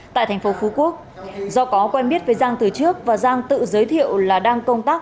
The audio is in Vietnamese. tại thành phố phú quốc do có quen biết với giang từ trước và giang tự giới thiệu là đang công tác